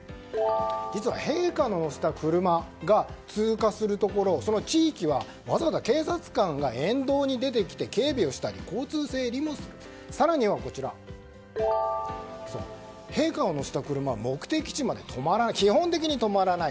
実は陛下を乗せた車が通過するところ、その地域はわざわざ警察官が沿道に出てきて警備をしたり交通整理をしたり更には、陛下を乗せた車は目的地までは基本的に止まらない。